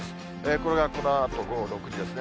これがこのあと午後６時ですね。